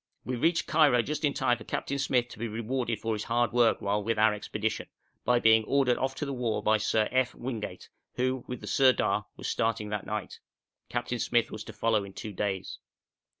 We reached Cairo just in time for Captain Smyth to be rewarded for his hard work, while with our expedition, by being ordered off to the war by Sir F. Wingate, who, with the Sirdar, was starting that night; Captain Smyth was to follow in two days.